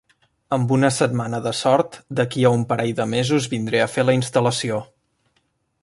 Amb una setmana de sort, d'aquí a un parell de mesos vindré a fer la instal·lació.